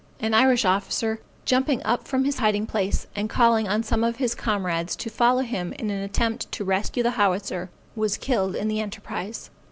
An Irish officer, jumping up from his hiding place, and calling on some of his comrades to follow him in an attempt to rescue the howitzer, was killed in the enterprise.